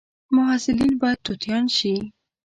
محصلین باید توتیان شي